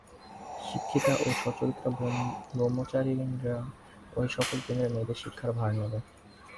শিক্ষিতা ও সচ্চরিত্রা ব্রহ্মচারিণীরা ঐ সকল কেন্দ্রে মেয়েদের শিক্ষার ভার নেবে।